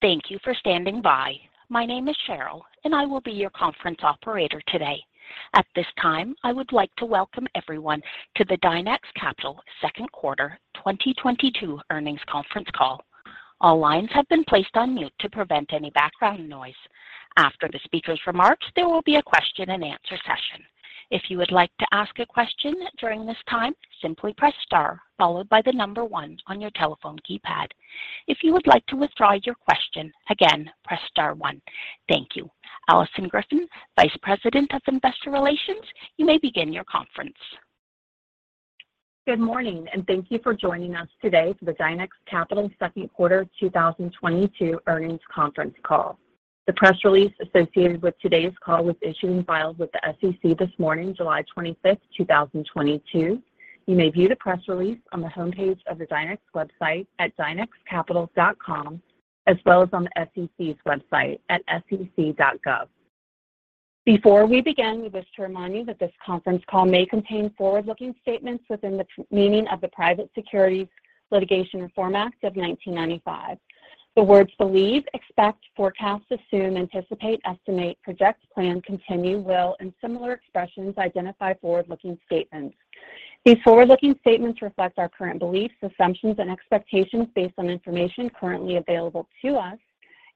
Thank you for standing by. My name is Cheryl, and I will be your conference operator today. At this time, I would like to welcome everyone to the Dynex Capital Second Quarter 2022 Earnings Conference Call. All lines have been placed on mute to prevent any background noise. After the speakers' remarks, there will be a question and answer session. If you would like to ask a question during this time, simply press star followed by the number one on your telephone keypad. If you would like to withdraw your question, again, press star one. Thank you. Alison Griffin, Vice President of Investor Relations, you may begin your conference. Good morning, and thank you for joining us today for the Dynex Capital second quarter 2022 earnings conference call. The press release associated with today's call was issued and filed with the SEC this morning, July 25, 2022. You may view the press release on the homepage of the Dynex website at dynexcapital.com, as well as on the SEC's website at sec.gov. Before we begin, we wish to remind you that this conference call may contain forward-looking statements within the meaning of the Private Securities Litigation Reform Act of 1995. The words believe, expect, forecast, assume, anticipate, estimate, project, plan, continue, will, and similar expressions identify forward-looking statements. These forward-looking statements reflect our current beliefs, assumptions, and expectations based on information currently available to us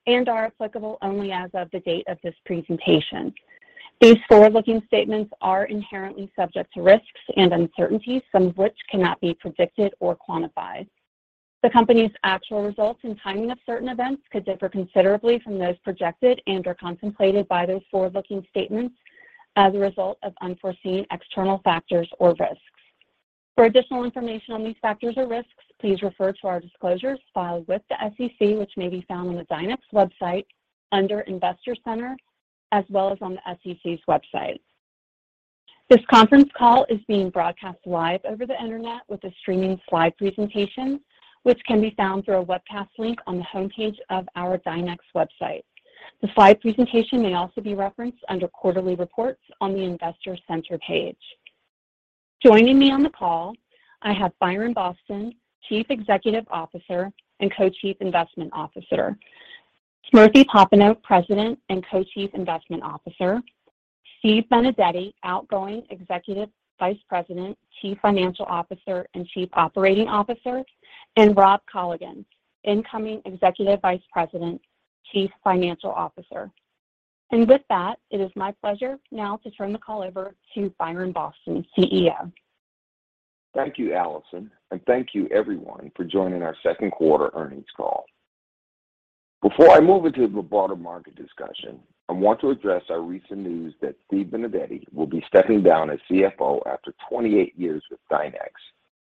and are applicable only as of the date of this presentation. These forward-looking statements are inherently subject to risks and uncertainties, some of which cannot be predicted or quantified. The company's actual results and timing of certain events could differ considerably from those projected and/or contemplated by those forward-looking statements as a result of unforeseen external factors or risks. For additional information on these factors or risks, please refer to our disclosures filed with the SEC, which may be found on the Dynex website under Investor Center, as well as on the SEC's website. This conference call is being broadcast live over the Internet with a streaming slide presentation, which can be found through a webcast link on the homepage of our Dynex website. The slide presentation may also be referenced under Quarterly Reports on the Investor Center page. Joining me on the call, I have Byron Boston, Chief Executive Officer and Co-Chief Investment Officer, Smriti Popenoe, President and Co-Chief Investment Officer, Stephen Benedetti, outgoing Executive Vice President, Chief Financial Officer, and Chief Operating Officer, and Rob Colligan, incoming Executive Vice President, Chief Financial Officer. With that, it is my pleasure now to turn the call over to Byron Boston, CEO. Thank you, Alison. Thank you everyone for joining our second quarter earnings call. Before I move into the broader market discussion, I want to address our recent news that Steve Benedetti will be stepping down as CFO after 28 years with Dynex,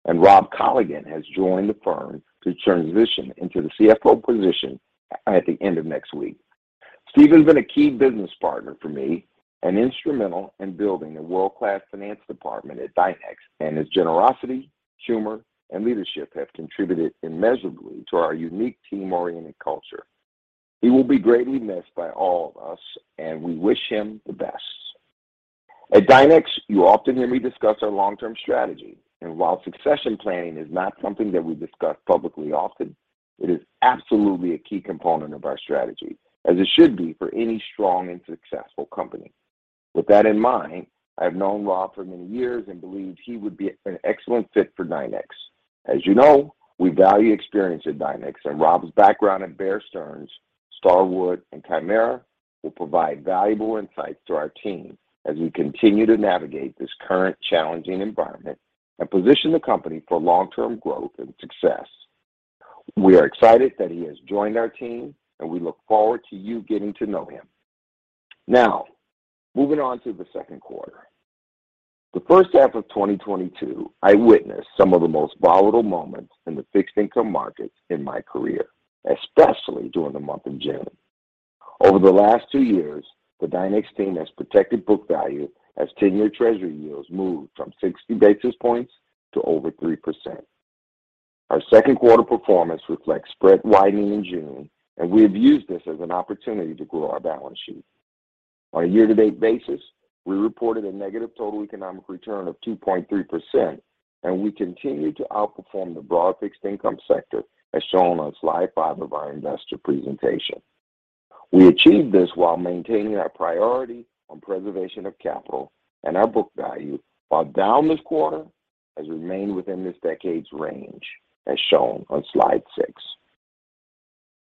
and Rob Colligan has joined the firm to transition into the CFO position at the end of next week. Steve has been a key business partner for me and instrumental in building a world-class finance department at Dynex, and his generosity, humor, and leadership have contributed immeasurably to our unique team-oriented culture. He will be greatly missed by all of us, and we wish him the best. At Dynex, you often hear me discuss our long-term strategy, and while succession planning is not something that we discuss publicly often, it is absolutely a key component of our strategy, as it should be for any strong and successful company. With that in mind, I've known Rob for many years and believe he would be an excellent fit for Dynex. As you know, we value experience at Dynex, and Rob's background at Bear Stearns, Starwood, and Chimera will provide valuable insights to our team as we continue to navigate this current challenging environment and position the company for long-term growth and success. We are excited that he has joined our team, and we look forward to you getting to know him. Now, moving on to the second quarter. The first half of 2022, I witnessed some of the most volatile moments in the fixed income markets in my career, especially during the month of June. Over the last two years, the Dynex team has protected book value as 10-year Treasury yields moved from 60 basis points to over 3%. Our second quarter performance reflects spread widening in June, and we have used this as an opportunity to grow our balance sheet. On a year-to-date basis, we reported a negative total economic return of 2.3%, and we continue to outperform the broad fixed income sector, as shown on slide five of our investor presentation. We achieved this while maintaining our priority on preservation of capital and our book value, while down this quarter, has remained within this decade's range, as shown on slide 6.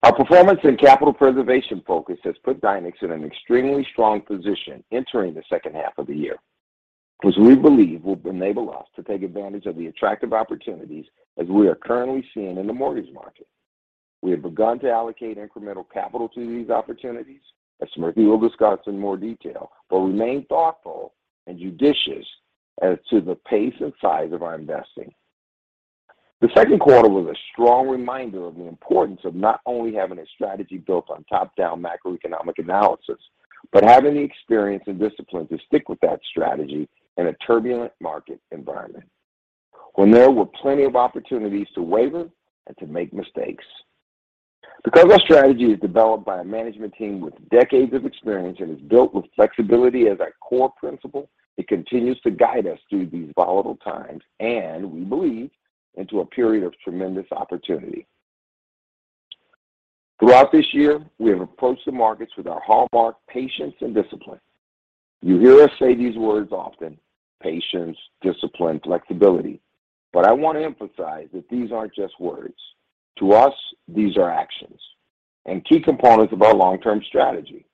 Our performance and capital preservation focus has put Dynex in an extremely strong position entering the second half of the year, which we believe will enable us to take advantage of the attractive opportunities as we are currently seeing in the mortgage market. We have begun to allocate incremental capital to these opportunities, as Smriti will discuss in more detail, but remain thoughtful and judicious as to the pace and size of our investing. The second quarter was a strong reminder of the importance of not only having a strategy built on top-down macroeconomic analysis, but having the experience and discipline to stick with that strategy in a turbulent market environment when there were plenty of opportunities to waver and to make mistakes. Because our strategy is developed by a management team with decades of experience and is built with flexibility as our core principle, it continues to guide us through these volatile times and, we believe, into a period of tremendous opportunity. Throughout this year, we have approached the markets with our hallmark patience and discipline. You hear us say these words often. Patience, discipline, flexibility. But I want to emphasize that these aren't just words. To us, these are actions and key components of our long-term strategy.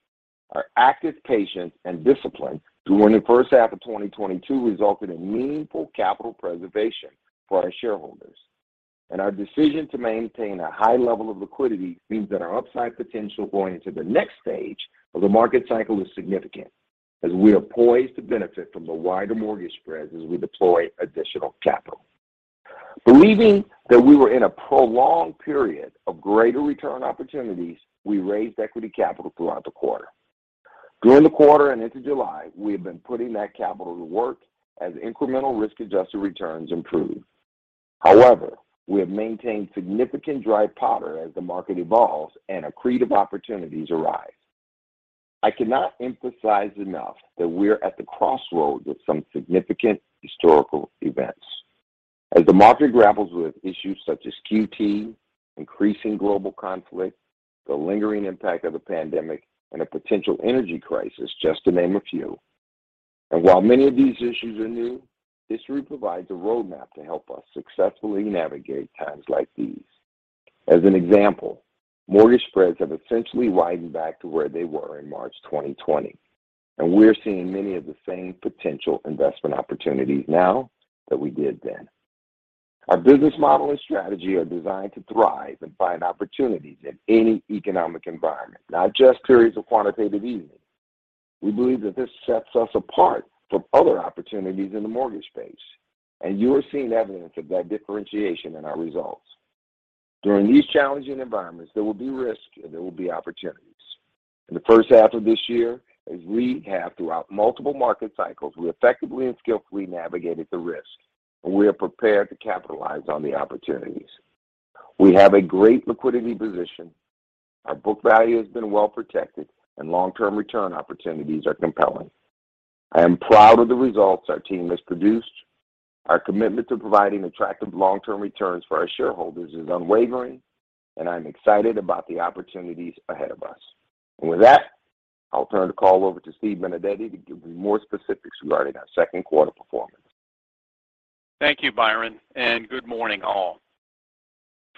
Our active patience and discipline during the first half of 2022 resulted in meaningful capital preservation for our shareholders. Our decision to maintain a high level of liquidity means that our upside potential going into the next stage of the market cycle is significant as we are poised to benefit from the wider mortgage spreads as we deploy additional capital. Believing that we were in a prolonged period of greater return opportunities, we raised equity capital throughout the quarter. During the quarter and into July, we have been putting that capital to work as incremental risk-adjusted returns improve. However, we have maintained significant dry powder as the market evolves and accretive opportunities arise. I cannot emphasize enough that we're at the crossroads of some significant historical events. As the market grapples with issues such as QT, increasing global conflict, the lingering impact of the pandemic, and a potential energy crisis, just to name a few. While many of these issues are new, history provides a roadmap to help us successfully navigate times like these. As an example, mortgage spreads have essentially widened back to where they were in March 2020, and we're seeing many of the same potential investment opportunities now that we did then. Our business model and strategy are designed to thrive and find opportunities in any economic environment, not just periods of quantitative easing. We believe that this sets us apart from other opportunities in the mortgage space, and you are seeing evidence of that differentiation in our results. During these challenging environments, there will be risks and there will be opportunities. In the first half of this year, as we have throughout multiple market cycles, we effectively and skillfully navigated the risk, and we are prepared to capitalize on the opportunities. We have a great liquidity position. Our book value has been well protected and long-term return opportunities are compelling. I am proud of the results our team has produced. Our commitment to providing attractive long-term returns for our shareholders is unwavering, and I'm excited about the opportunities ahead of us. With that, I'll turn the call over to Steve Benedetti to give you more specifics regarding our second quarter performance. Thank you, Byron, and good morning all.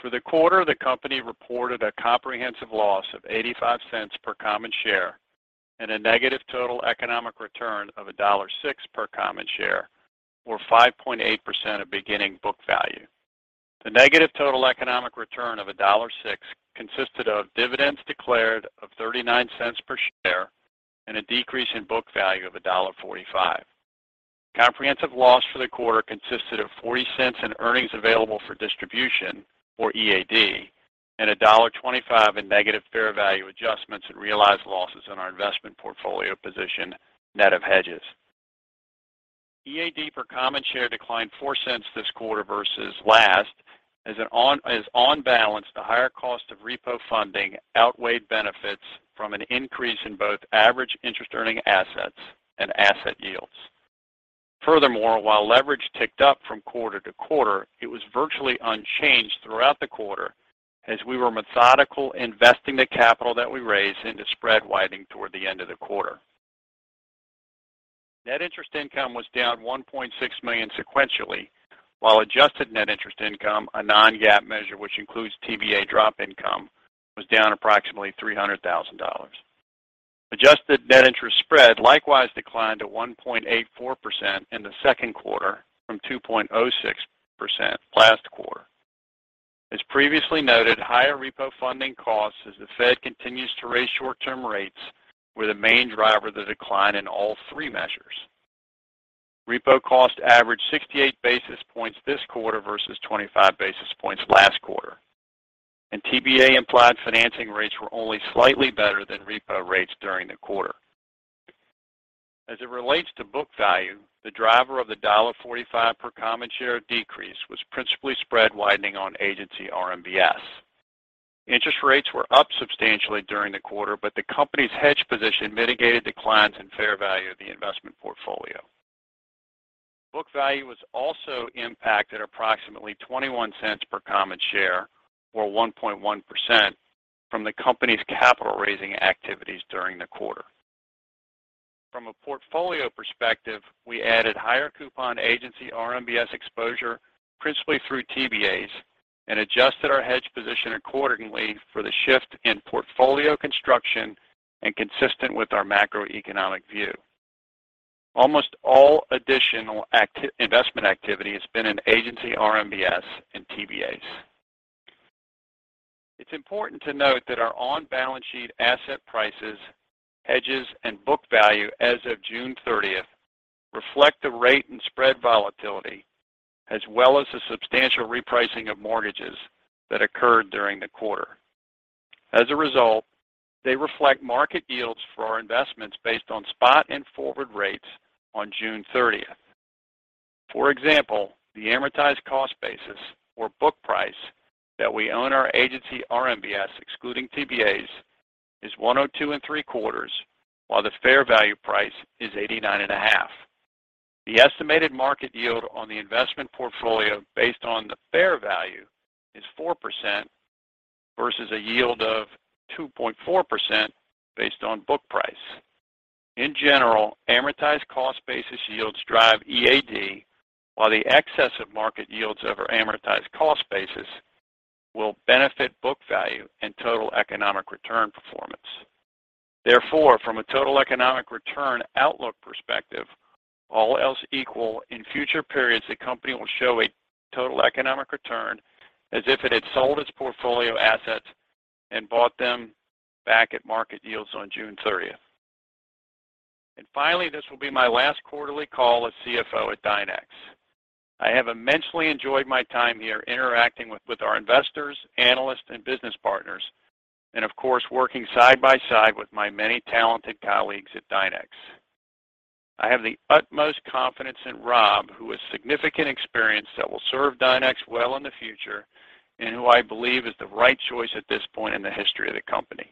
For the quarter, the company reported a comprehensive loss of $0.85 per common share and a negative total economic return of $1.06 per common share or 5.8% of beginning book value. The negative total economic return of $1.06 consisted of dividends declared of $0.39 per share and a decrease in book value of $1.45. Comprehensive loss for the quarter consisted of $0.40 in earnings available for distribution or EAD and $1.25 in negative fair value adjustments and realized losses in our investment portfolio position net of hedges. EAD per common share declined $0.04 this quarter versus last, as on balance, the higher cost of repo funding outweighed benefits from an increase in both average interest earning assets and asset yields. Furthermore, while leverage ticked up from quarter to quarter, it was virtually unchanged throughout the quarter as we were methodical investing the capital that we raised into spread widening toward the end of the quarter. Net interest income was down $1.6 million sequentially, while adjusted net interest income, a non-GAAP measure which includes TBA drop income, was down approximately $300,000. Adjusted net interest spread likewise declined to 1.84% in the second quarter from 2.06% last quarter. As previously noted, higher repo funding costs as the Fed continues to raise short-term rates were the main driver of the decline in all three measures. Repo cost averaged 68 basis points this quarter versus 25 basis points last quarter, and TBA implied financing rates were only slightly better than repo rates during the quarter. As it relates to book value, the driver of the $1.45 per common share decrease was principally spread widening on agency RMBS. Interest rates were up substantially during the quarter, but the company's hedge position mitigated declines in fair value of the investment portfolio. Book value was also impacted approximately $0.21 per common share or 1.1% from the company's capital raising activities during the quarter. From a portfolio perspective, we added higher coupon agency RMBS exposure principally through TBAs and adjusted our hedge position accordingly for the shift in portfolio construction and consistent with our macroeconomic view. Almost all additional investment activity has been in agency RMBS and TBAs. It's important to note that our on-balance sheet asset prices, hedges, and book value as of June 30 reflect the rate and spread volatility as well as the substantial repricing of mortgages that occurred during the quarter. As a result, they reflect market yields for our investments based on spot and forward rates on June 30. For example, the amortized cost basis or book price that we own our Agency RMBS, excluding TBAs, is $102.75, while the fair value price is $89.5. The estimated market yield on the investment portfolio based on the fair value is 4% versus a yield of 2.4% based on book price. In general, amortized cost basis yields drive EAD, while the excess of market yields over amortized cost basis will benefit book value and total economic return performance. Therefore, from a total economic return outlook perspective, all else equal, in future periods, the company will show a total economic return as if it had sold its portfolio assets and bought them back at market yields on June thirtieth. Finally, this will be my last quarterly call as CFO at Dynex. I have immensely enjoyed my time here interacting with our investors, analysts, and business partners, and of course, working side by side with my many talented colleagues at Dynex. I have the utmost confidence in Rob, who has significant experience that will serve Dynex well in the future and who I believe is the right choice at this point in the history of the company.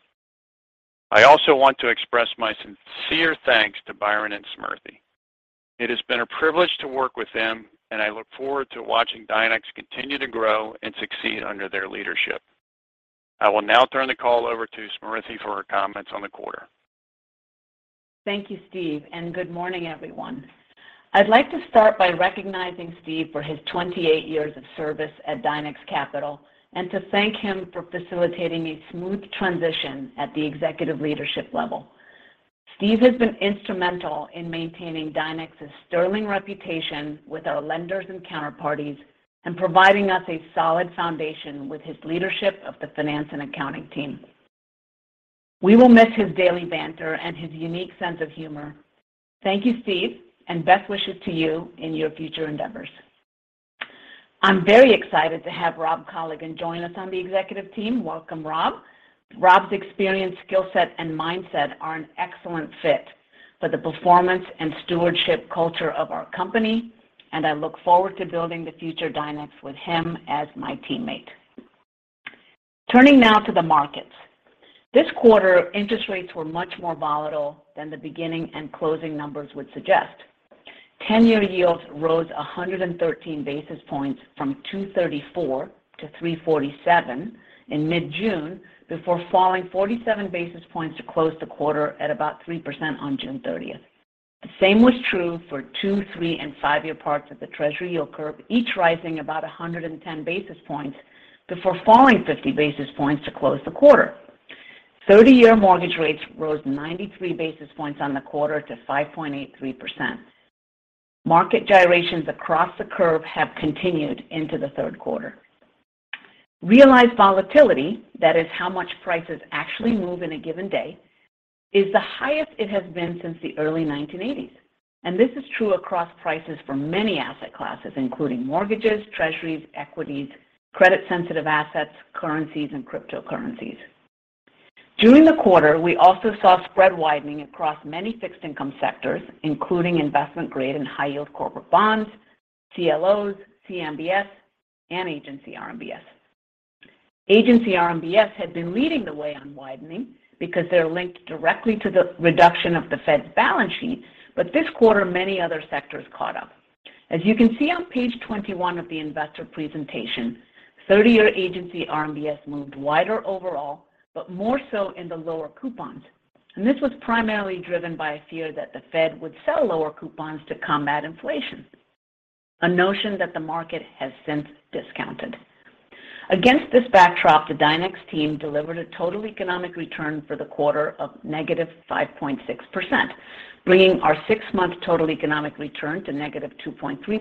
I also want to express my sincere thanks to Byron and Smriti. It has been a privilege to work with them, and I look forward to watching Dynex continue to grow and succeed under their leadership. I will now turn the call over to Smriti for her comments on the quarter. Thank you, Steve, and good morning, everyone. I'd like to start by recognizing Steve for his 28 years of service at Dynex Capital and to thank him for facilitating a smooth transition at the executive leadership level. Steve has been instrumental in maintaining Dynex's sterling reputation with our lenders and counterparties and providing us a solid foundation with his leadership of the finance and accounting team. We will miss his daily banter and his unique sense of humor. Thank you, Steve, and best wishes to you in your future endeavors. I'm very excited to have Rob Colligan join us on the executive team. Welcome, Rob. Rob's experience, skill set, and mindset are an excellent fit for the performance and stewardship culture of our company, and I look forward to building the future Dynex with him as my teammate. Turning now to the markets. This quarter, interest rates were much more volatile than the beginning and closing numbers would suggest. Ten-year yields rose 113 basis points from 2.34 to 3.47 in mid-June before falling 47 basis points to close the quarter at about 3% on June 30. The same was true for two, three, and five-year parts of the Treasury yield curve, each rising about 110 basis points before falling 50 basis points to close the quarter. 30-year mortgage rates rose 93 basis points on the quarter to 5.83%. Market gyrations across the curve have continued into the third quarter. Realized volatility, that is how much prices actually move in a given day, is the highest it has been since the early 1980s. This is true across prices for many asset classes, including mortgages, treasuries, equities, credit-sensitive assets, currencies, and cryptocurrencies. During the quarter, we also saw spread widening across many fixed income sectors, including investment-grade and high-yield corporate bonds, CLOs, CMBS, and agency RMBS. Agency RMBS had been leading the way on widening because they're linked directly to the reduction of the Fed's balance sheet, but this quarter many other sectors caught up. As you can see on page 21 of the investor presentation, 30-year agency RMBS moved wider overall, but more so in the lower coupons. This was primarily driven by a fear that the Fed would sell lower coupons to combat inflation, a notion that the market has since discounted. Against this backdrop, the Dynex team delivered a total economic return for the quarter of negative 5.6%, bringing our six-month total economic return to negative 2.3%.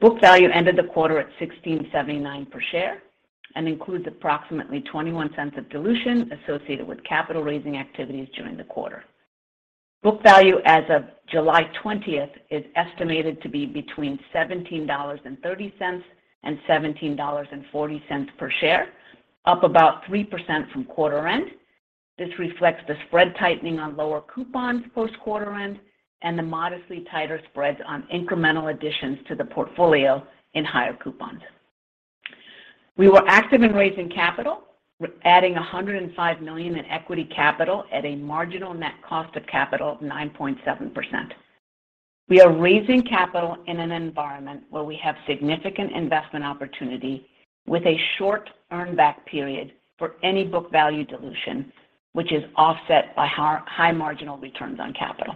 Book value ended the quarter at $16.79 per share and includes approximately $0.21 of dilution associated with capital raising activities during the quarter. Book value as of July 28 is estimated to be between $17.30 and $17.40 per share, up about 3% from quarter end. This reflects the spread tightening on lower coupons post-quarter end and the modestly tighter spreads on incremental additions to the portfolio in higher coupons. We were active in raising capital, adding $105 million in equity capital at a marginal net cost of capital of 9.7%. We are raising capital in an environment where we have significant investment opportunity with a short earn-back period for any book value dilution, which is offset by our high marginal returns on capital.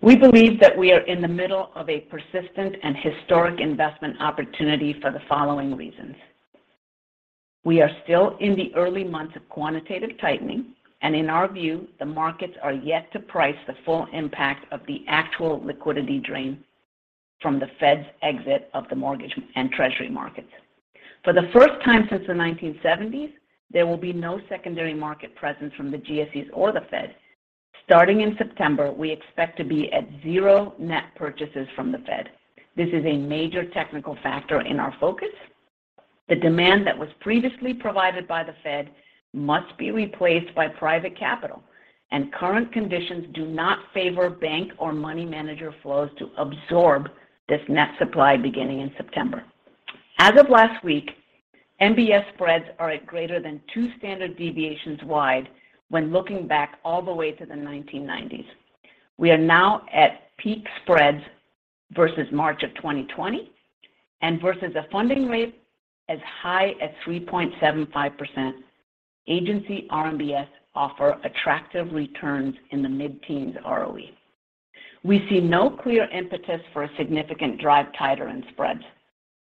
We believe that we are in the middle of a persistent and historic investment opportunity for the following reasons. We are still in the early months of quantitative tightening, and in our view, the markets are yet to price the full impact of the actual liquidity drain from the Fed's exit of the mortgage and Treasury markets. For the first time since the 1970s, there will be no secondary market presence from the GSEs or the Fed. Starting in September, we expect to be at zero net purchases from the Fed. This is a major technical factor in our focus. The demand that was previously provided by the Fed must be replaced by private capital and current conditions do not favor bank or money manager flows to absorb this net supply beginning in September. As of last week, MBS spreads are at greater than two standard deviations wide when looking back all the way to the 1990s. We are now at peak spreads versus March 2020 and versus a funding rate as high as 3.75%. Agency RMBS offer attractive returns in the mid-teens ROE. We see no clear impetus for a significant drive tighter in spreads.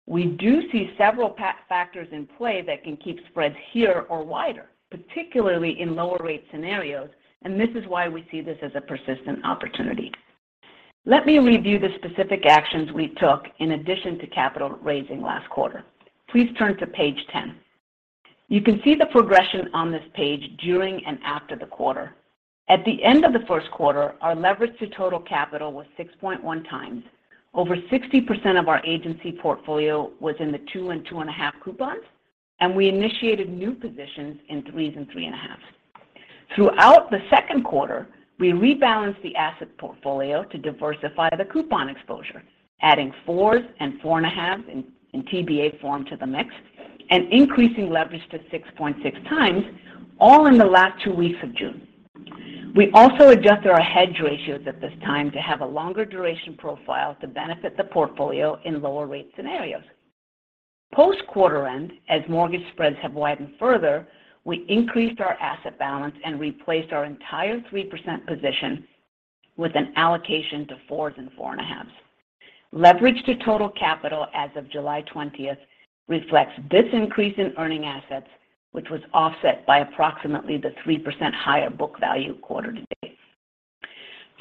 We do see several factors in play that can keep spreads here or wider, particularly in lower rate scenarios, and this is why we see this as a persistent opportunity. Let me review the specific actions we took in addition to capital raising last quarter. Please turn to page 10. You can see the progression on this page during and after the quarter. At the end of the first quarter, our leverage to total capital was 6.1x. Over 60% of our agency portfolio was in the 2 and 2.5 coupons, and we initiated new positions in 3s and 3.5s. Throughout the second quarter, we rebalanced the asset portfolio to diversify the coupon exposure, adding 4s and 4.5s in TBA form to the mix and increasing leverage to 6.6x all in the last two weeks of June. We also adjusted our hedge ratios at this time to have a longer duration profile to benefit the portfolio in lower rate scenarios. Post quarter end, as mortgage spreads have widened further, we increased our asset balance and replaced our entire 3% position with an allocation to 4s and 4.5s. Leverage to total capital as of July 20 reflects this increase in earning assets, which was offset by approximately 3% higher book value quarter to date.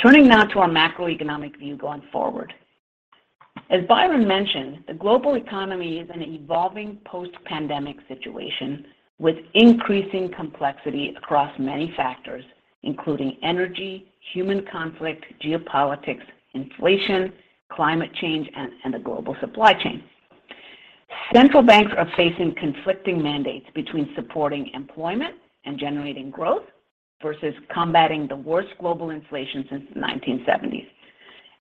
Turning now to our macroeconomic view going forward. As Byron mentioned, the global economy is an evolving post-pandemic situation with increasing complexity across many factors, including energy, human conflict, geopolitics, inflation, climate change, and the global supply chain. Central banks are facing conflicting mandates between supporting employment and generating growth versus combating the worst global inflation since the 1970s.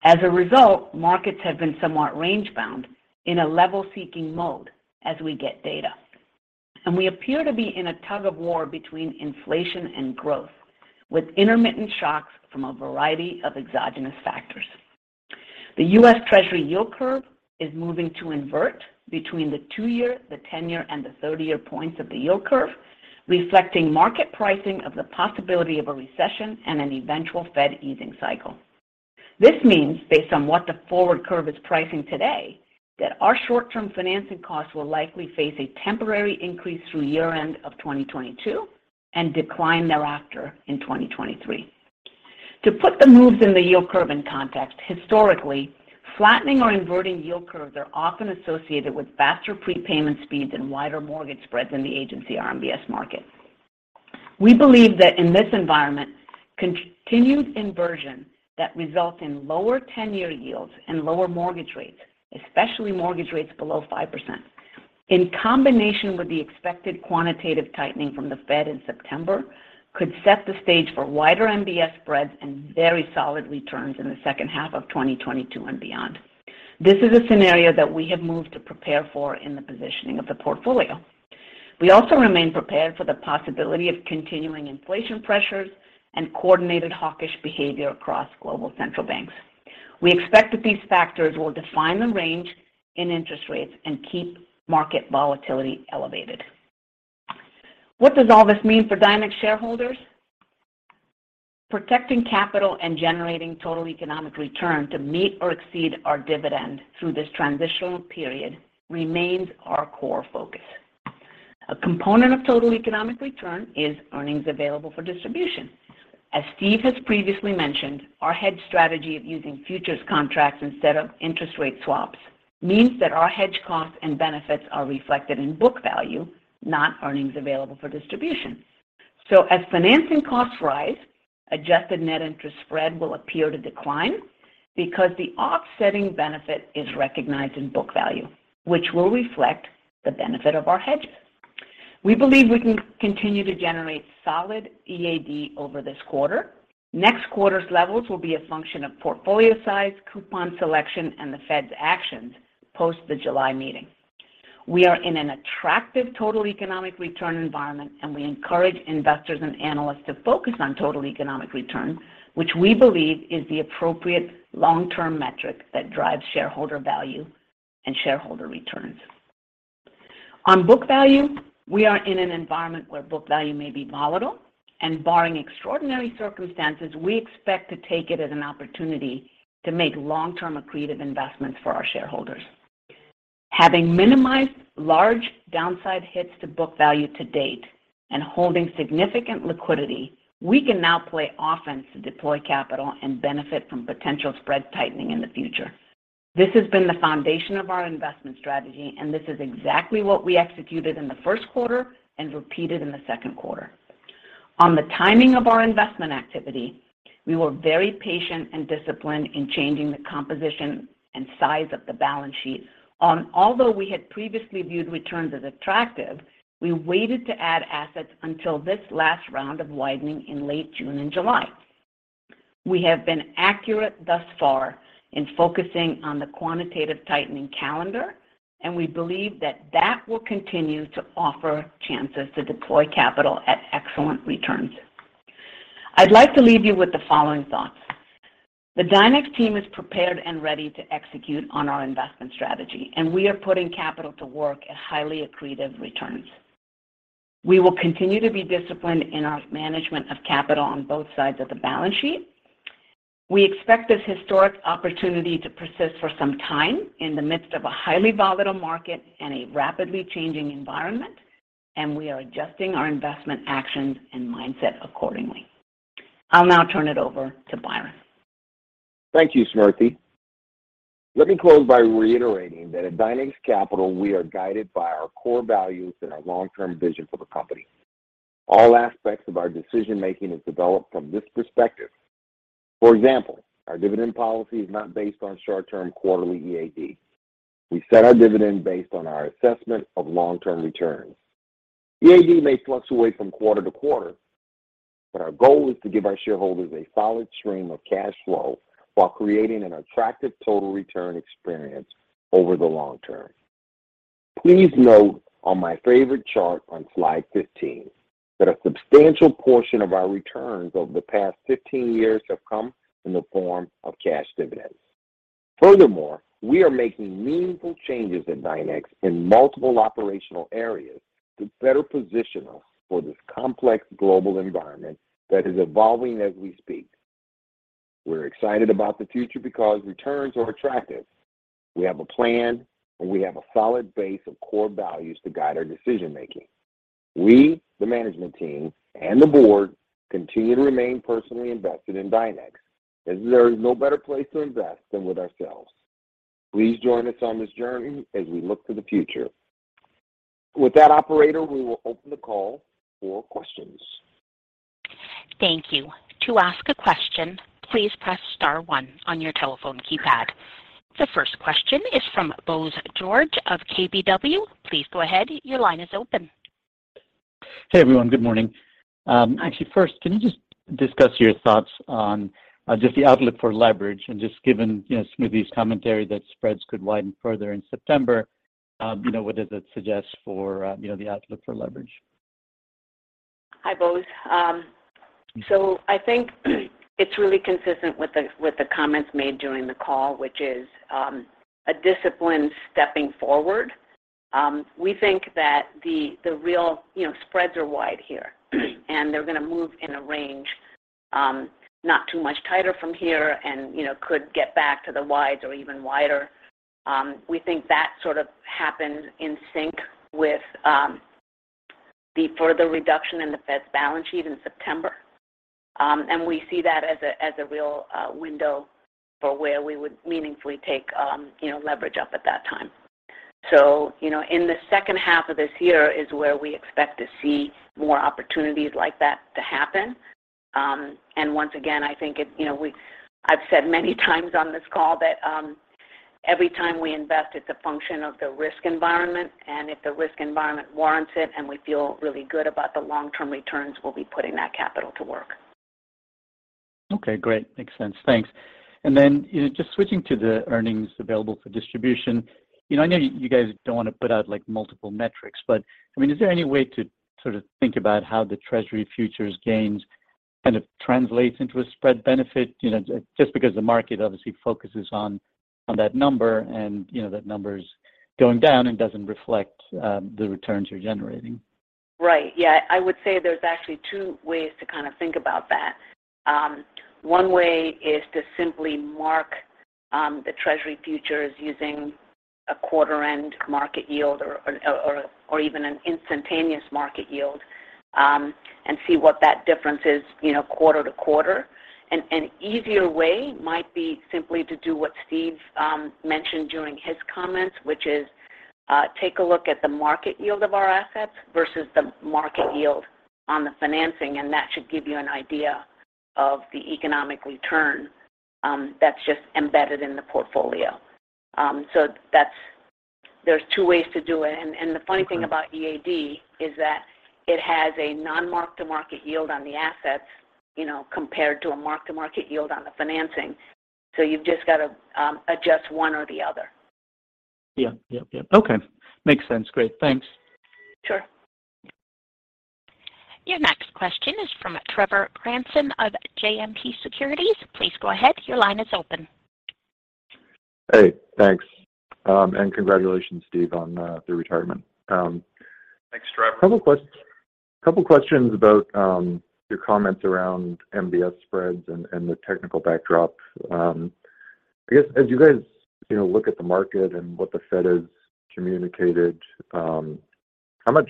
As a result, markets have been somewhat range-bound in a level-seeking mode as we get data. We appear to be in a tug-of-war between inflation and growth, with intermittent shocks from a variety of exogenous factors. The U.S. Treasury yield curve is moving to invert between the 2-year, the 10-year, and the 30-year points of the yield curve, reflecting market pricing of the possibility of a recession and an eventual Fed easing cycle. This means, based on what the forward curve is pricing today, that our short-term financing costs will likely face a temporary increase through year-end of 2022 and decline thereafter in 2023. To put the moves in the yield curve in context, historically, flattening or inverting yield curves are often associated with faster prepayment speeds and wider mortgage spreads in the Agency RMBS market. We believe that in this environment, continued inversion that results in lower 10-year yields and lower mortgage rates, especially mortgage rates below 5%, in combination with the expected quantitative tightening from the Fed in September, could set the stage for wider MBS spreads and very solid returns in the second half of 2022 and beyond. This is a scenario that we have moved to prepare for in the positioning of the portfolio. We also remain prepared for the possibility of continuing inflation pressures and coordinated hawkish behavior across global central banks. We expect that these factors will define the range in interest rates and keep market volatility elevated. What does all this mean for Dynex shareholders? Protecting capital and generating total economic return to meet or exceed our dividend through this transitional period remains our core focus. A component of total economic return is earnings available for distribution. As Steve has previously mentioned, our hedge strategy of using futures contracts instead of interest rate swaps means that our hedge costs and benefits are reflected in book value, not earnings available for distribution. As financing costs rise, adjusted net interest spread will appear to decline because the offsetting benefit is recognized in book value, which will reflect the benefit of our hedges. We believe we can continue to generate solid EAD over this quarter. Next quarter's levels will be a function of portfolio size, coupon selection, and the Fed's actions post the July meeting. We are in an attractive total economic return environment, and we encourage investors and analysts to focus on total economic return, which we believe is the appropriate long-term metric that drives shareholder value and shareholder returns. On book value, we are in an environment where book value may be volatile, and barring extraordinary circumstances, we expect to take it as an opportunity to make long-term accretive investments for our shareholders. Having minimized large downside hits to book value to date and holding significant liquidity, we can now play offense to deploy capital and benefit from potential spread tightening in the future. This has been the foundation of our investment strategy, and this is exactly what we executed in the first quarter and repeated in the second quarter. On the timing of our investment activity, we were very patient and disciplined in changing the composition and size of the balance sheet, although we had previously viewed returns as attractive, we waited to add assets until this last round of widening in late June and July. We have been accurate thus far in focusing on the quantitative tightening calendar, and we believe that that will continue to offer chances to deploy capital at excellent returns. I'd like to leave you with the following thoughts. The Dynex team is prepared and ready to execute on our investment strategy, and we are putting capital to work at highly accretive returns. We will continue to be disciplined in our management of capital on both sides of the balance sheet. We expect this historic opportunity to persist for some time in the midst of a highly volatile market and a rapidly changing environment, and we are adjusting our investment actions and mindset accordingly. I'll now turn it over to Byron. Thank you, Smriti. Let me close by reiterating that at Dynex Capital, we are guided by our core values and our long-term vision for the company. All aspects of our decision-making is developed from this perspective. For example, our dividend policy is not based on short-term quarterly EAD. We set our dividend based on our assessment of long-term returns. EAD may fluctuate from quarter to quarter, but our goal is to give our shareholders a solid stream of cash flow while creating an attractive total return experience over the long term. Please note on my favorite chart on slide 15 that a substantial portion of our returns over the past 15 years have come in the form of cash dividends. Furthermore, we are making meaningful changes at Dynex in multiple operational areas to better position us for this complex global environment that is evolving as we speak. We're excited about the future because returns are attractive. We have a plan, and we have a solid base of core values to guide our decision-making. We, the management team and the board, continue to remain personally invested in Dynex, as there is no better place to invest than with ourselves. Please join us on this journey as we look to the future. With that, operator, we will open the call for questions. Thank you. To ask a question, please press star one on your telephone keypad. The first question is from Bose George of KBW. Please go ahead. Your line is open. Hey, everyone. Good morning. Actually, first, can you just discuss your thoughts on just the outlook for leverage and just given, you know, Smriti's commentary that spreads could widen further in September, you know, what does it suggest for, you know, the outlook for leverage? Hi, Bose. I think it's really consistent with the comments made during the call, which is a discipline stepping forward. We think that the real, you know, spreads are wide here, and they're gonna move in a range, not too much tighter from here and, you know, could get back to the wides or even wider. We think that sort of happens in sync with the further reduction in the Fed's balance sheet in September. We see that as a real window for where we would meaningfully take, you know, leverage up at that time. You know, in the second half of this year is where we expect to see more opportunities like that to happen. Once again, I think it's, you know, I've said many times on this call that, every time we invest, it's a function of the risk environment. If the risk environment warrants it, and we feel really good about the long-term returns, we'll be putting that capital to work. Okay, great. Makes sense. Thanks. Just switching to the earnings available for distribution. You know, I know you guys don't want to put out like multiple metrics, but, I mean, is there any way to sort of think about how the Treasury futures gains kind of translates into a spread benefit? You know, just because the market obviously focuses on that number and, you know, that number's going down and doesn't reflect the returns you're generating. Right. Yeah. I would say there's actually two ways to kind of think about that. One way is to simply mark the Treasury futures using a quarter-end market yield or even an instantaneous market yield, and see what that difference is, you know, quarter to quarter. Easier way might be simply to do what Steve mentioned during his comments, which is, take a look at the market yield of our assets versus the market yield on the financing, and that should give you an idea of the economic return that's just embedded in the portfolio. There's two ways to do it. The funny thing about EAD is that it has a non-mark-to-market yield on the assets, you know, compared to a mark-to-market yield on the financing. You've just got to adjust one or the other. Yeah. Yep, yep. Okay. Makes sense. Great. Thanks. Sure. Your next question is from Trevor Cranston of JMP Securities. Please go ahead. Your line is open. Hey, thanks. Congratulations, Steve, on the retirement. Thanks, Trevor. Couple questions about your comments around MBS spreads and the technical backdrop. I guess as you guys, you know, look at the market and what the Fed has communicated, how much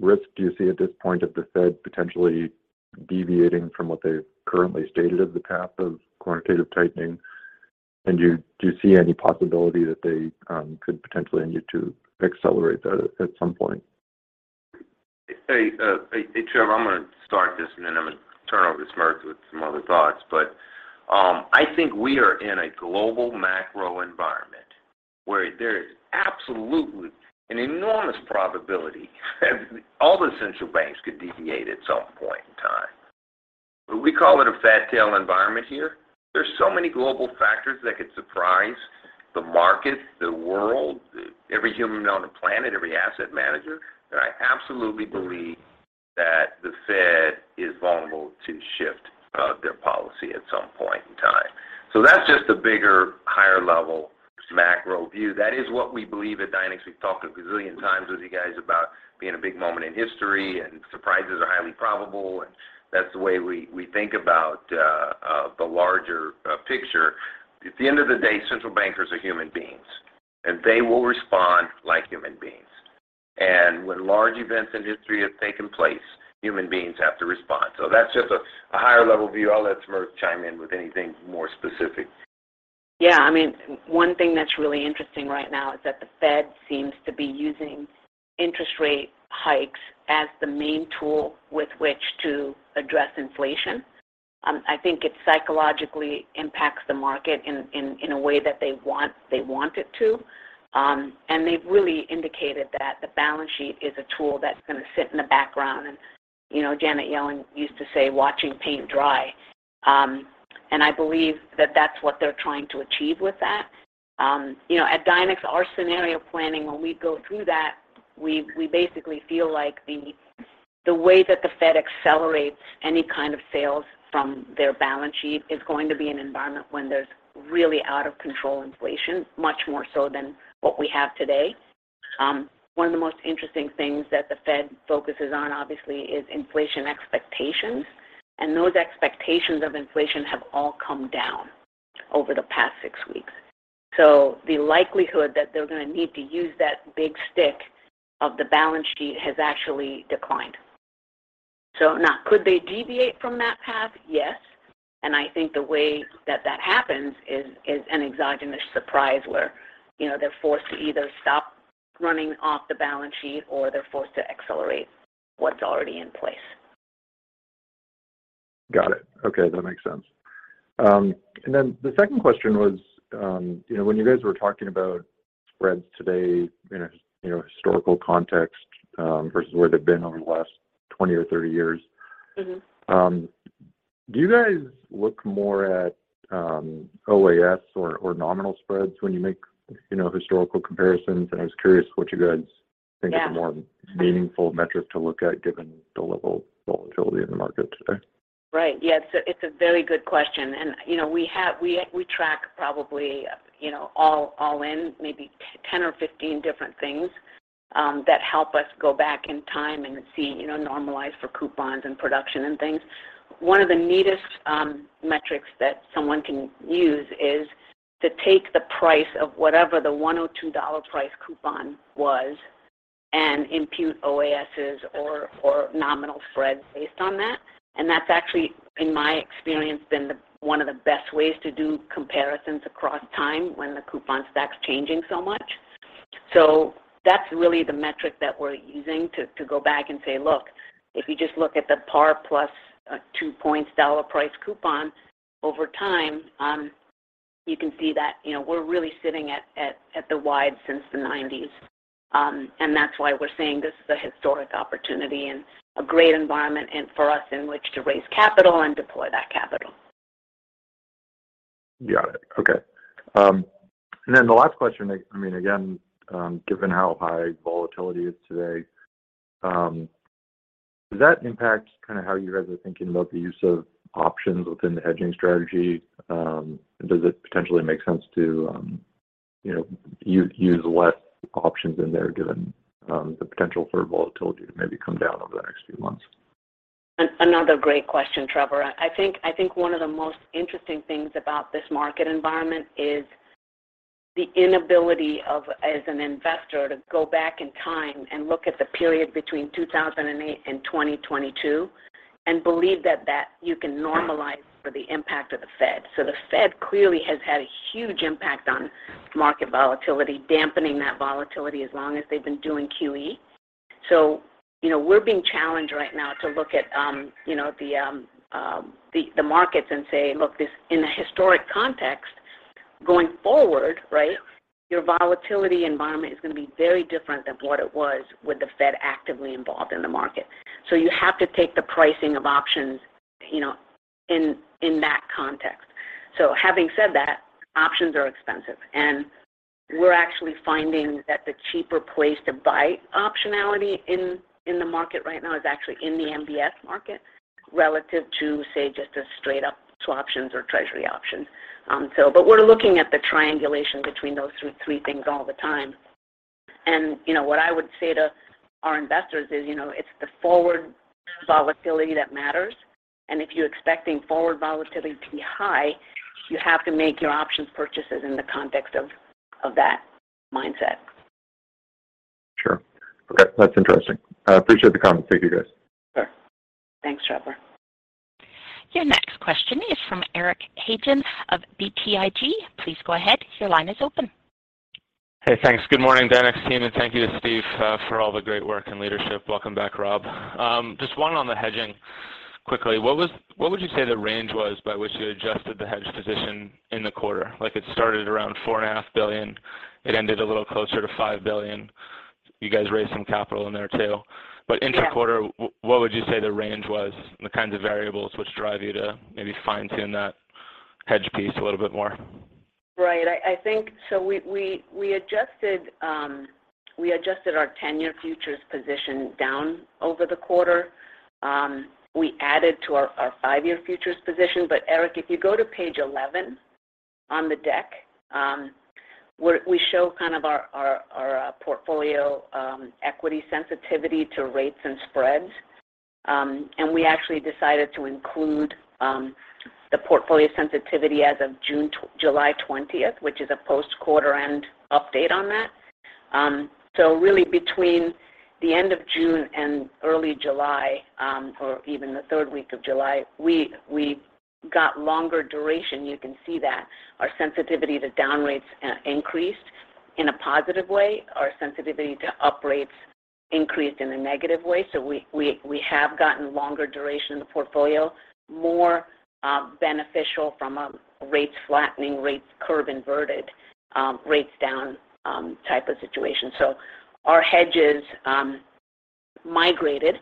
risk do you see at this point of the Fed potentially deviating from what they've currently stated as the path of quantitative tightening? Do you see any possibility that they could potentially need to accelerate that at some point? Hey, Trevor, I'm gonna start this, and then I'm gonna turn over to Smriti with some other thoughts. I think we are in a global macro environment. Where there is absolutely an enormous probability that all the central banks could deviate at some point in time. We call it a fat tail environment here. There's so many global factors that could surprise the market, the world, every human on the planet, every asset manager, that I absolutely believe that the Fed is vulnerable to shift their policy at some point in time. So that's just a bigger, higher level macro view. That is what we believe at Dynex. We've talked a gazillion times with you guys about being a big moment in history, and surprises are highly probable, and that's the way we think about the larger picture. At the end of the day, central bankers are human beings, and they will respond like human beings. When large events in history have taken place, human beings have to respond. That's just a higher level view. I'll let Smriti chime in with anything more specific. Yeah. I mean, one thing that's really interesting right now is that the Fed seems to be using interest rate hikes as the main tool with which to address inflation. I think it psychologically impacts the market in a way that they want it to. They've really indicated that the balance sheet is a tool that's gonna sit in the background. You know, Janet Yellen used to say, "Watching paint dry." I believe that that's what they're trying to achieve with that. You know, at Dynex, our scenario planning, when we go through that, we basically feel like the way that the Fed accelerates any kind of sales from their balance sheet is going to be an environment when there's really out of control inflation, much more so than what we have today. One of the most interesting things that the Fed focuses on, obviously, is inflation expectations, and those expectations of inflation have all come down over the past six weeks. The likelihood that they're gonna need to use that big stick of the balance sheet has actually declined. Now could they deviate from that path? Yes. I think the way that that happens is an exogenous surprise where, you know, they're forced to either stop running off the balance sheet or they're forced to accelerate what's already in place. Got it. Okay. That makes sense. The second question was, you know, when you guys were talking about spreads today in a, you know, historical context, versus where they've been over the last 20 or 30 years. Mm-hmm. Do you guys look more at OAS or nominal spreads when you make, you know, historical comparisons? I was curious what you guys think is- Yeah A more meaningful metric to look at given the level of volatility in the market today. Right. Yeah. It's a very good question. You know, we track probably all in maybe 10 or 15 different things that help us go back in time and see, you know, normalize for coupons and production and things. One of the neatest metrics that someone can use is to take the price of whatever the 102-dollar price coupon was and impute OASs or nominal spreads based on that. That's actually, in my experience, been the one of the best ways to do comparisons across time when the coupon stack's changing so much. That's really the metric that we're using to go back and say, look, if you just look at the par plus 2 point dollar price coupon over time, you can see that, you know, we're really sitting at the widest since the 1990s. That's why we're saying this is a historic opportunity and a great environment for us in which to raise capital and deploy that capital. Got it. Okay. The last question, I mean, again, given how high volatility is today, does that impact kind of how you guys are thinking about the use of options within the hedging strategy? Does it potentially make sense to, you know, use less options in there given the potential for volatility to maybe come down over the next few months? Another great question, Trevor. I think one of the most interesting things about this market environment is the inability of, as an investor, to go back in time and look at the period between 2008 and 2022 and believe that you can normalize for the impact of the Fed. The Fed clearly has had a huge impact on market volatility, dampening that volatility as long as they've been doing QE. You know, we're being challenged right now to look at you know, the markets and say, look, this in a historic context, going forward, right, your volatility environment is going to be very different than what it was with the Fed actively involved in the market. You have to take the pricing of options, you know, in that context. Having said that, options are expensive, and we're actually finding that the cheaper place to buy optionality in the market right now is actually in the MBS market relative to, say, just a straight up swaptions or treasury options. We're looking at the triangulation between those three things all the time. You know, what I would say to our investors is, you know, it's the forward volatility that matters, and if you're expecting forward volatility to be high, you have to make your options purchases in the context of that mindset. Sure. Okay. That's interesting. I appreciate the comments. Thank you, guys. Sure. Thanks, Trevor. Your next question is from Eric Hagen of BTIG. Please go ahead. Your line is open. Hey. Thanks. Good morning, Dynex team, and thank you to Steve for all the great work and leadership. Welcome back, Rob. Just one on the hedging. Quickly, what would you say the range was by which you adjusted the hedge position in the quarter? Like it started around $4.5 billion. It ended a little closer to $5 billion. You guys raised some capital in there too. Yeah. Intra-quarter, what would you say the range was and the kinds of variables which drive you to maybe fine-tune that hedge piece a little bit more? Right. I think we adjusted our 10-year futures position down over the quarter. We added to our five-year futures position. Eric, if you go to page 11 on the deck, where we show kind of our portfolio equity sensitivity to rates and spreads. We actually decided to include the portfolio sensitivity as of June-July 20, which is a post-quarter end update on that. Really between the end of June and early July, or even the third week of July, we got longer duration. You can see that our sensitivity to down rates increased in a positive way. Our sensitivity to up rates increased in a negative way. We have gotten longer duration in the portfolio, more beneficial from a rates flattening, rates curve inverted, rates down type of situation. Our hedges migrated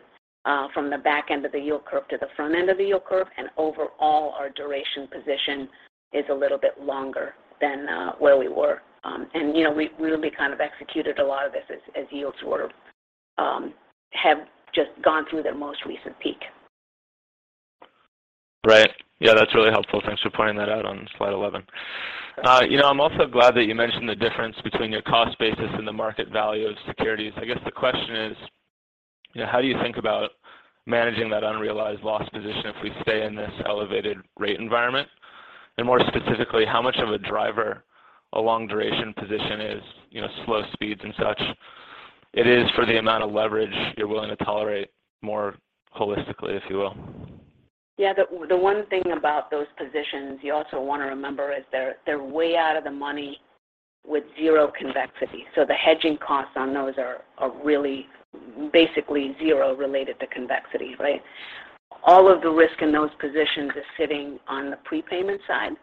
from the back end of the yield curve to the front end of the yield curve. Overall, our duration position is a little bit longer than where we were. You know, we really kind of executed a lot of this as yields sort of have just gone through their most recent peak. Right. Yeah, that's really helpful. Thanks for pointing that out on slide 11. You know, I'm also glad that you mentioned the difference between your cost basis and the market value of securities. I guess the question is, you know, how do you think about managing that unrealized loss position if we stay in this elevated rate environment? More specifically, how much of a driver a long duration position is, you know, slow speeds and such it is for the amount of leverage you're willing to tolerate more holistically, if you will? Yeah. The one thing about those positions you also wanna remember is they're way out of the money with zero convexity. So the hedging costs on those are really basically zero related to convexity, right? All of the risk in those positions is sitting on the prepayment side.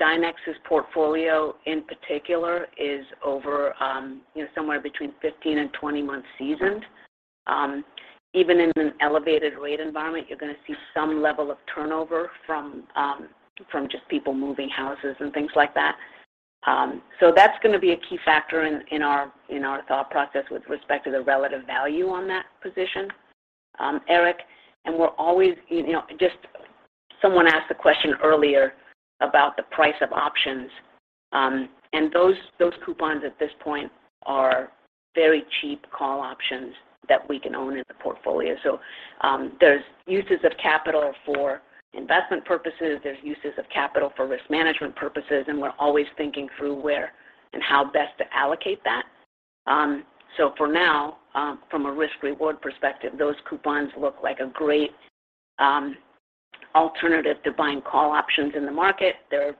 Dynex's portfolio in particular is over you know somewhere between 15 and 20 months seasoned. Even in an elevated rate environment, you're gonna see some level of turnover from from just people moving houses and things like that. So that's gonna be a key factor in our thought process with respect to the relative value on that position, Eric. We're always just someone asked a question earlier about the price of options, and those coupons at this point are very cheap call options that we can own in the portfolio. There's uses of capital for investment purposes, there's uses of capital for risk management purposes, and we're always thinking through where and how best to allocate that. For now, from a risk reward perspective, those coupons look like a great alternative to buying call options in the market. They're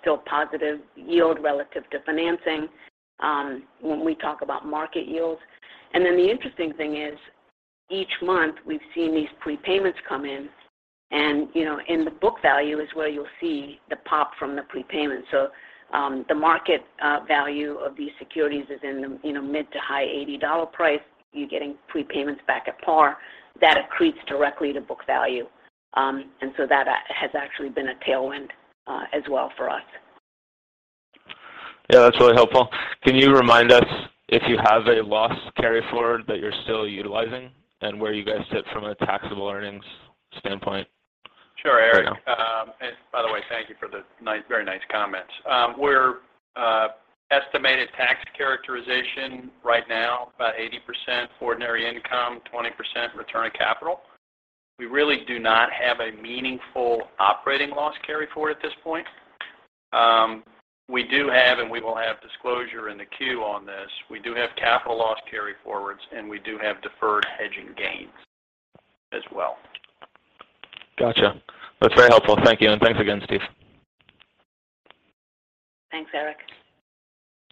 still positive yield relative to financing when we talk about market yields. Then the interesting thing is each month we've seen these prepayments come in and the book value is where you'll see the pop from the prepayment. The market value of these securities is in the, you know, mid- to high-$80 price. You're getting prepayments back at par. That accretes directly to book value. That has actually been a tailwind as well for us. Yeah, that's really helpful. Can you remind us if you have a loss carryforward that you're still utilizing and where you guys sit from a taxable earnings standpoint right now? Sure, Eric. By the way, thank you for the very nice comments. Our estimated tax characterization right now, about 80% ordinary income, 20% return of capital. We really do not have a meaningful operating loss carryforward at this point. We do have, and we will have disclosure in the Q on this. We do have capital loss carryforwards, and we do have deferred hedging gains as well. Gotcha. That's very helpful. Thank you. Thanks again, Steve. Thanks, Eric.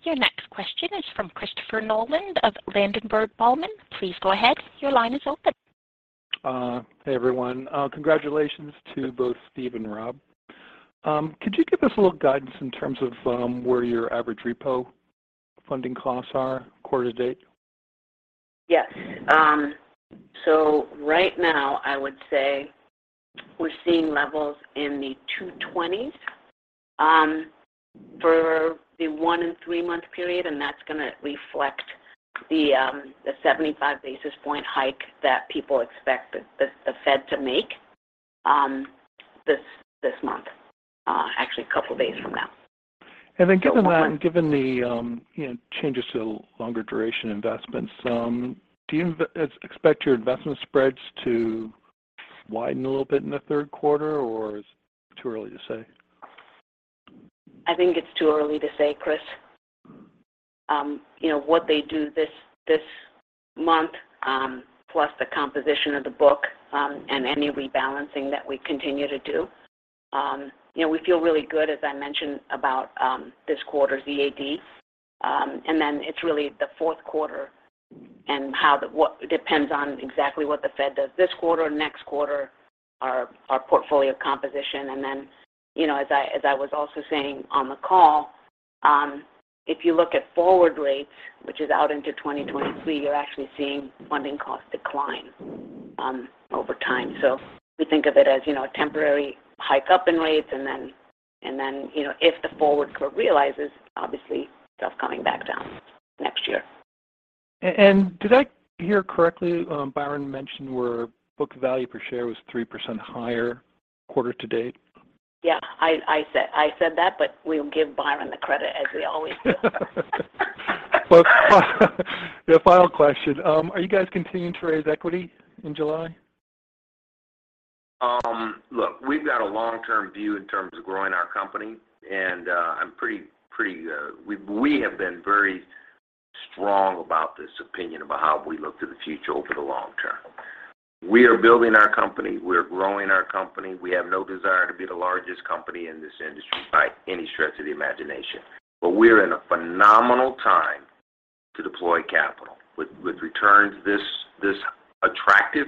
Your next question is from Christopher Nolan of Ladenburg Thalmann. Please go ahead. Your line is open. Hey, everyone. Congratulations to both Steve and Rob. Could you give us a little guidance in terms of where your average repo funding costs are quarter to date? Yes. So right now I would say we're seeing levels in the 220s for the 1- and 3-month period, and that's gonna reflect the 75 basis point hike that people expect the Fed to make this month, actually a couple days from now. Given that and given the, you know, changes to longer duration investments, do you expect your investment spreads to widen a little bit in the third quarter, or is it too early to say? I think it's too early to say, Chris. You know what they do this month, plus the composition of the book, and any rebalancing that we continue to do. You know, we feel really good, as I mentioned, about this quarter's EAD. It's really the fourth quarter and what depends on exactly what the Fed does this quarter, next quarter, our portfolio composition. You know, as I was also saying on the call, if you look at forward rates, which is out into 2023, you're actually seeing funding costs decline over time. We think of it as, you know, a temporary hike up in rates. You know, if the forward curve realizes, obviously, stuff coming back down next year. Did I hear correctly, Byron mentioned that book value per share was 3% higher quarter to date? Yeah. I said that, but we'll give Byron the credit as we always do. Well, the final question. Are you guys continuing to raise equity in July? Look, we've got a long-term view in terms of growing our company, and we have been very strong about this opinion about how we look to the future over the long term. We are building our company. We're growing our company. We have no desire to be the largest company in this industry by any stretch of the imagination. We're in a phenomenal time to deploy capital. With returns this attractive,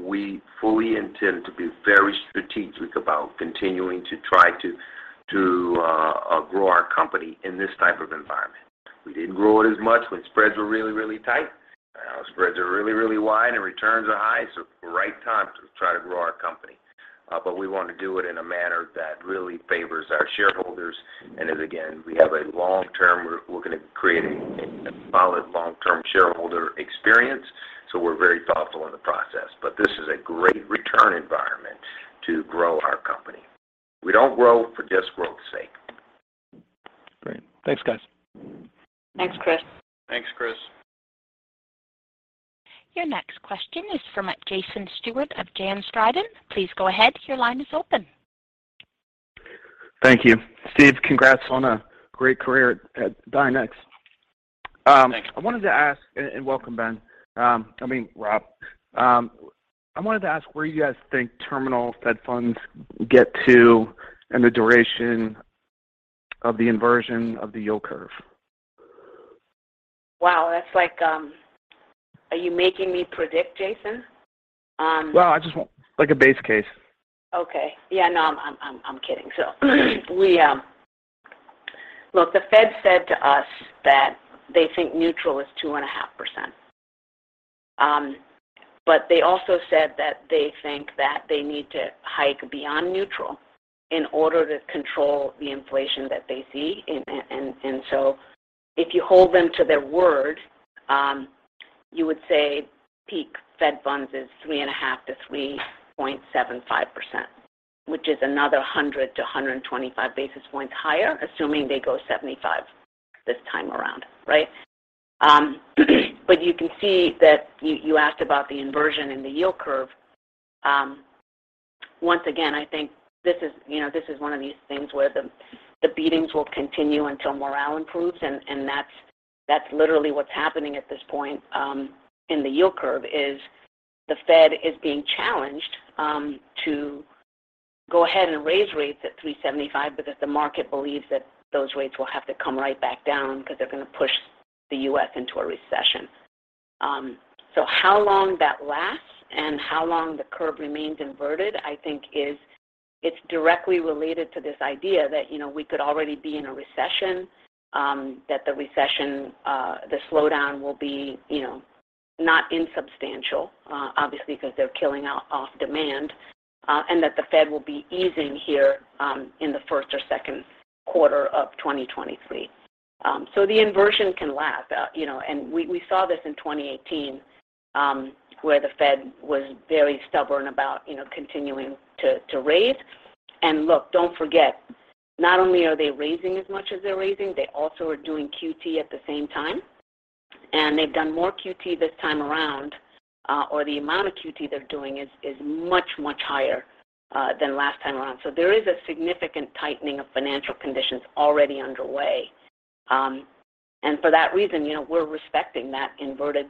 we fully intend to be very strategic about continuing to try to grow our company in this type of environment. We didn't grow it as much when spreads were really tight. Now spreads are really wide and returns are high, so right time to try to grow our company. We want to do it in a manner that really favors our shareholders. We're gonna create a solid long-term shareholder experience, so we're very thoughtful in the process. This is a great return environment to grow our company. We don't grow for just growth's sake. Great. Thanks, guys. Thanks, Chris. Thanks, Chris. Your next question is from Jason Stewart of JonesTrading. Please go ahead. Your line is open. Thank you. Steve, congrats on a great career at Dynex. Thanks. I wanted to ask and welcome, Ben, I mean Rob Colligan. I wanted to ask where you guys think terminal Fed Funds get to and the duration of the inversion of the yield curve. Wow. That's like, Are you making me predict, Jason? Well, I just want like a base case. Okay. Yeah. No, I'm kidding. Look, the Fed said to us that they think neutral is 2.5%. They also said that they think that they need to hike beyond neutral in order to control the inflation that they see. If you hold them to their word, you would say peak Fed Funds is 3.5% to 3.75%, which is another 100-125 basis points higher, assuming they go 75 this time around, right? You can see that you asked about the inversion in the yield curve. Once again, I think this is, you know, this is one of these things where the beatings will continue until morale improves. That's literally what's happening at this point in the yield curve, is the Fed is being challenged to go ahead and raise rates at 3.75 because the market believes that those rates will have to come right back down because they're gonna push the U.S. into a recession. How long that lasts and how long the curve remains inverted, I think is it's directly related to this idea that, you know, we could already be in a recession, that the recession, the slowdown will be, you know, not insubstantial, obviously, because they're killing off demand, and that the Fed will be easing here in the first or second quarter of 2023. The inversion can last, you know. We saw this in 2018, where the Fed was very stubborn about, you know, continuing to raise. Look, don't forget, not only are they raising as much as they're raising, they also are doing QT at the same time. They've done more QT this time around, or the amount of QT they're doing is much higher than last time around. There is a significant tightening of financial conditions already underway. For that reason, you know, we're respecting that inverted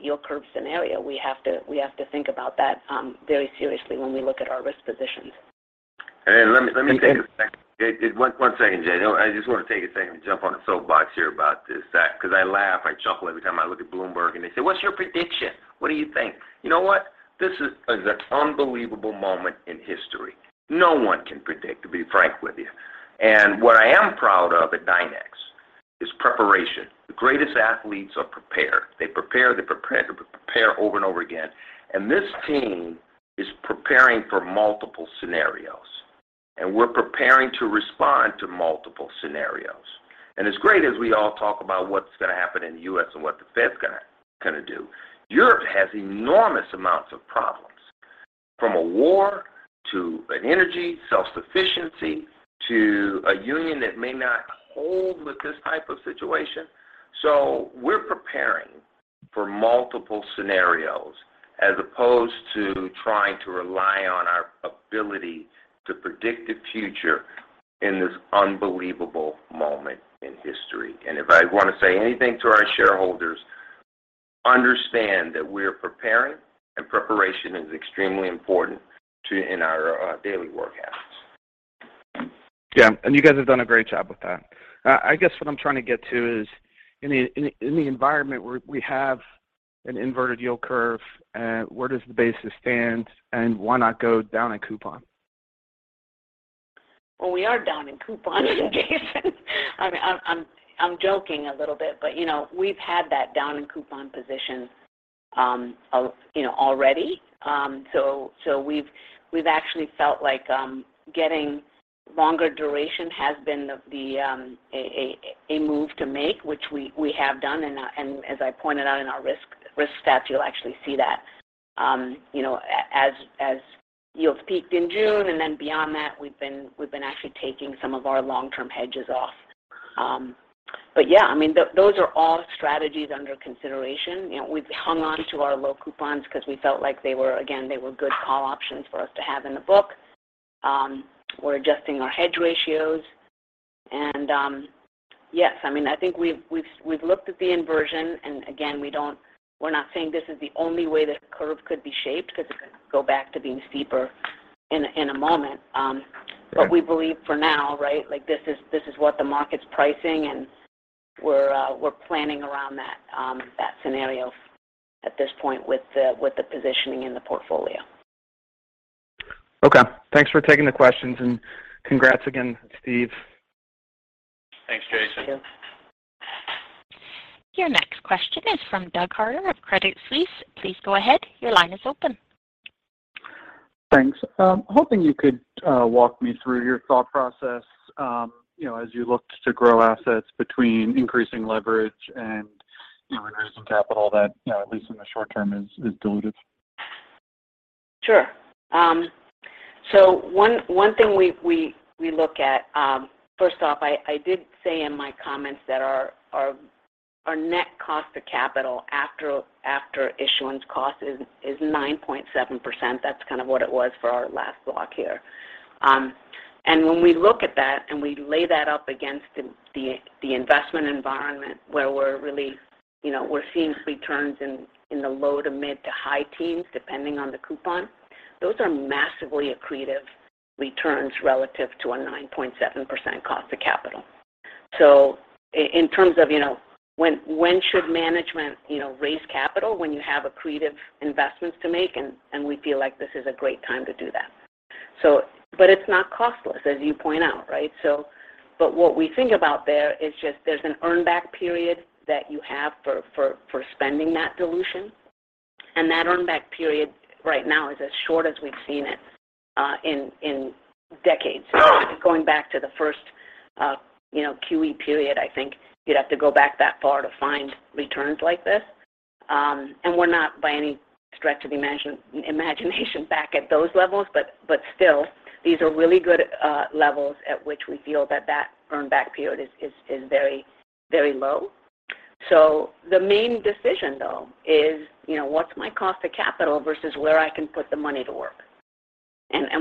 yield curve scenario. We have to think about that very seriously when we look at our risk positions. Let me take a second. One second, Jason. I just want to take a second to jump on a soapbox here about this, 'cause I laugh, I chuckle every time I look at Bloomberg, and they say, "What's your prediction? What do you think?" You know what? This is an unbelievable moment in history. No one can predict, to be frank with you. What I am proud of at Dynex is preparation. The greatest athletes are prepared. They prepare, they prepare, they prepare over and over again. This team is preparing for multiple scenarios, and we're preparing to respond to multiple scenarios. As great as we all talk about what's going to happen in the U.S. and what the Fed's gonna do, Europe has enormous amounts of problems, from a war, to an energy self-sufficiency, to a union that may not hold with this type of situation. We're preparing for multiple scenarios as opposed to trying to rely on our ability to predict the future in this unbelievable moment in history. If I want to say anything to our shareholders, understand that we're preparing, and preparation is extremely important in our daily work habits. Yeah. You guys have done a great job with that. I guess what I'm trying to get to is in the environment where we have an inverted yield curve, where does the basis stand, and why not go down in coupon? Well, we are down in coupon, Jason. I'm joking a little bit, but you know, we've had that down in coupon position, you know, already. So we've actually felt like getting longer duration has been the move to make, which we have done. As I pointed out in our risk stats, you'll actually see that, you know, as yields peaked in June, and then beyond that, we've been actually taking some of our long-term hedges off. But yeah, I mean, those are all strategies under consideration. You know, we've hung on to our low coupons because we felt like they were, again, good call options for us to have in the book. We're adjusting our hedge ratios. Yes, I mean, I think we've looked at the inversion, and again, we're not saying this is the only way this curve could be shaped because it could go back to being steeper in a moment. Right. We believe for now, right? Like this is what the market's pricing, and we're planning around that scenario at this point with the positioning in the portfolio. Okay. Thanks for taking the questions. Congrats again, Steve. Thanks, Jason. Thank you. Your next question is from Douglas Harter of Credit Suisse. Please go ahead. Your line is open. Thanks. Hoping you could walk me through your thought process, you know, as you looked to grow assets between increasing leverage and, you know, increasing capital that, at least in the short term, is diluted? Sure. One thing we look at, first off, I did say in my comments that our net cost of capital after issuance cost is 9.7%. That's kind of what it was for our last block here. When we look at that and we lay that up against the investment environment where we're really, you know, we're seeing returns in the low- to mid- to high teens, depending on the coupon. Those are massively accretive returns relative to a 9.7% cost of capital. In terms of, you know, when should management, you know, raise capital when you have accretive investments to make, and we feel like this is a great time to do that. But it's not costless, as you point out, right? What we think about there is just there's an earn back period that you have for spending that dilution. That earn back period right now is as short as we've seen it in decades. Going back to the first QE period, you know, I think you'd have to go back that far to find returns like this. We're not by any stretch of the imagination back at those levels, but still, these are really good levels at which we feel that earn back period is very low. The main decision though is, you know, what's my cost of capital versus where I can put the money to work.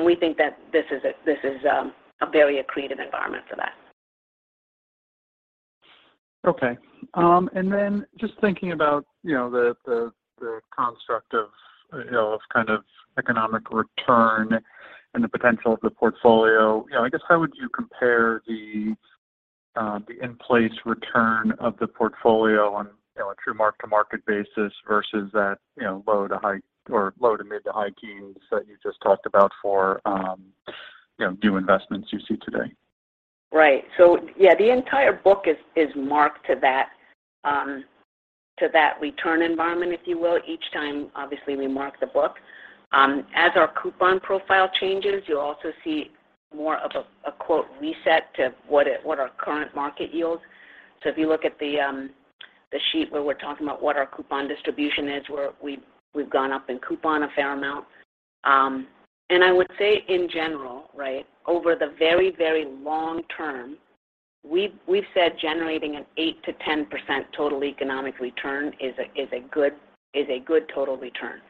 We think that this is a very accretive environment for that. Okay. And then just thinking about, you know, the construct of, you know, of kind of economic return and the potential of the portfolio. You know, I guess how would you compare the in-place return of the portfolio on, you know, a true mark-to-market basis versus that, you know, low to high or low to mid to high teens that you just talked about for, you know, new investments you see today? Right. Yeah, the entire book is marked to that return environment, if you will, each time obviously we mark the book. As our coupon profile changes, you'll also see more of a quote reset to what our current market yields. If you look at the sheet where we're talking about what our coupon distribution is, we've gone up in coupon a fair amount. I would say in general, right, over the very, very long term, we've said generating an 8%-10% total economic return is a good total return.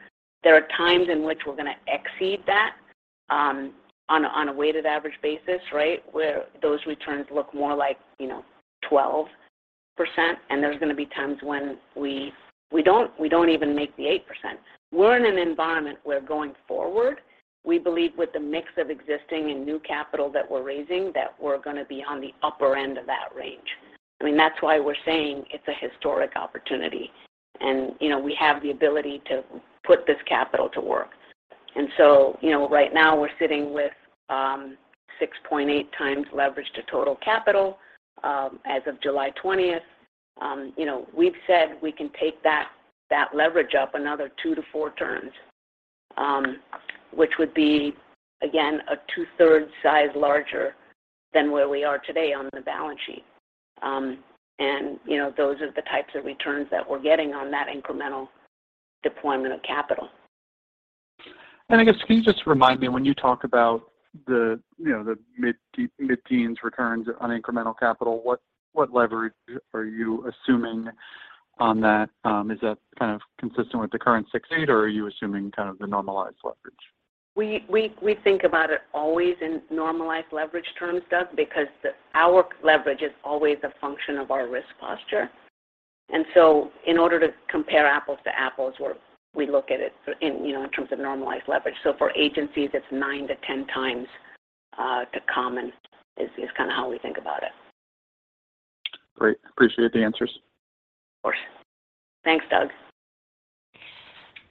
There are times in which we're going to exceed that, on a weighted average basis, right? Where those returns look more like, you know, 12%. There's going to be times when we don't even make the 8%. We're in an environment where going forward, we believe with the mix of existing and new capital that we're raising, that we're going to be on the upper end of that range. I mean, that's why we're saying it's a historic opportunity. You know, we have the ability to put this capital to work. You know, right now we're sitting with 6.8x leverage to total capital as of July 20. You know, we've said we can take that leverage up another two to four turns, which would be, again, a two-thirds size larger than where we are today on the balance sheet. You know, those are the types of returns that we're getting on that incremental deployment of capital. I guess can you just remind me when you talk about the, you know, the mid-teens returns on incremental capital, what leverage are you assuming on that? Is that kind of consistent with the current 6, 8, or are you assuming kind of the normalized leverage? We think about it always in normalized leverage terms, Doug, because our leverage is always a function of our risk posture. In order to compare apples to apples, we look at it in, you know, in terms of normalized leverage. For agencies, it's 9x to 10x to common is kind of how we think about it. Great. Appreciate the answers. Of course. Thanks, Doug.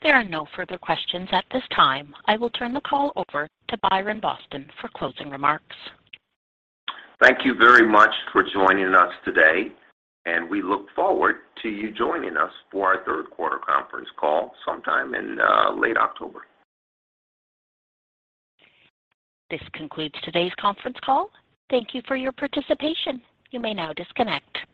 There are no further questions at this time. I will turn the call over to Byron Boston for closing remarks. Thank you very much for joining us today, and we look forward to you joining us for our third quarter conference call sometime in late October. This concludes today's conference call. Thank you for your participation. You may now disconnect.